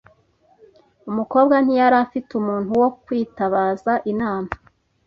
Umukobwa ntiyari afite umuntu wo kwitabaza inama.